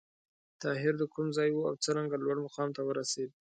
طاهر د کوم ځای و او څرنګه لوړ مقام ته ورسېد؟